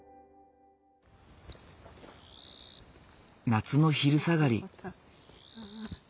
夏の昼下がり。